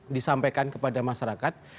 disampaikan kepada masyarakat